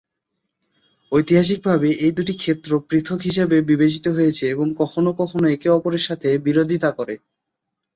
ঐতিহাসিকভাবে, এই দুটি ক্ষেত্র পৃথক হিসাবে বিবেচিত হয়েছে এবং কখনও কখনও একে অপরের সাথে বিরোধিতা করে।